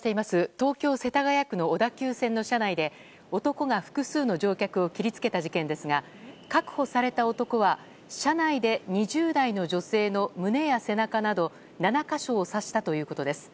東京・世田谷区の小田急線の車内で男が複数の乗客を切りつけた事件ですが確保された男は車内で２０代の女性の胸や背中など７か所を刺したということです。